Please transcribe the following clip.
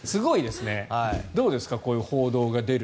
どうですかこういう報道が出る。